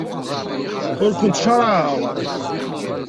Ur kent-ttcaṛaɛeɣ.